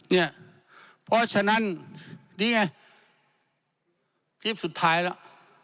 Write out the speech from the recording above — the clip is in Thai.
เนี่ยเพราะฉะนั้นนี่ไงคลิปสุดท้ายแล้ว